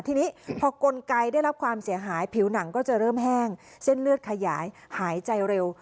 ทีนี้พอกลไกได้รับความเสียหายผิวหนังก็จะเริ่มแห้งเส้นเลือดขยายหายใจเร็ว